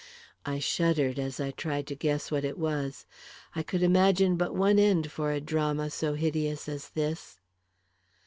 I shuddered as I tried to guess what it was. I could imagine but one end for a drama so hideous as this.